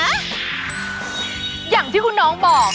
อย่างที่คุณน้องบอก